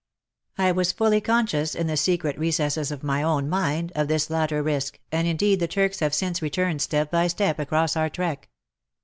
I was fully conscious, in the secret recesses of my own mind, of this latter risk, and indeed the Turks have since returned step by step across our trek.